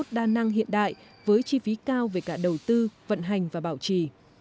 robot đa năng hiện đại với chi phí cao về cả đầu tư vận hành và bảo trì